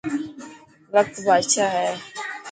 وقت بادشاهه هي.